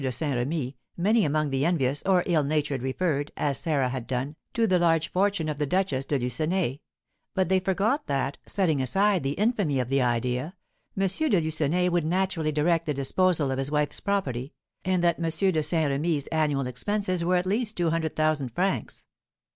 de Saint Remy, many among the envious or ill natured referred, as Sarah had done, to the large fortune of the Duchess de Lucenay; but they forgot that, setting aside the infamy of the idea, M. de Lucenay would naturally direct the disposal of his wife's property, and that M. de Saint Remy's annual expenses were at least two hundred thousand francs.